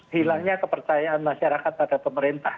hilangnya kepercayaan masyarakat pada pemerintah